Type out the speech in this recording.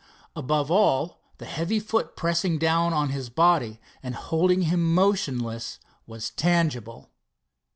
Above all, the heavy foot pressing down on his body and holding him motionless was tangible.